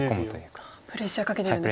プレッシャーかけてるんですね。